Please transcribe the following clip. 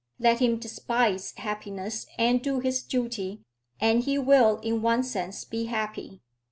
Let him despise happiness and do his duty, and he will in one sense be happy.